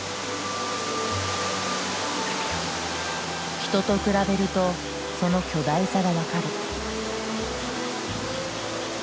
人と比べるとその巨大さが分かる。